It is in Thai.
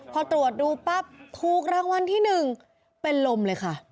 พอตรวจดูปั๊บถูกรางวัลที่๑เป็นลมเลยค่ะ